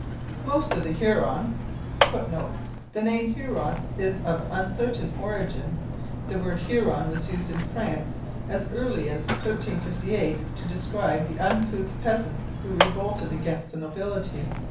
Most of the Huron [Footnote: The name Huron is of uncertain origin. The word HURON was used in France as early as 1358 to describe the uncouth peasants who revolted against the nobility.